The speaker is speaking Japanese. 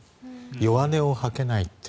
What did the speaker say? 弱音を吐けないって。